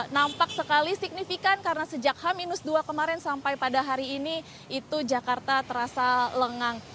nampak sekali signifikan karena sejak h dua kemarin sampai pada hari ini itu jakarta terasa lengang